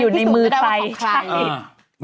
คือไม่พิสูจน์ได้ว่าของใคร